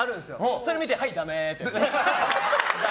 それを見てはいダメー！